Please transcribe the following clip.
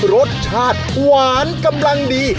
รสชาติหวานกำลังดี